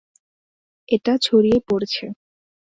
এটা ছড়িয়ে পড়ছে।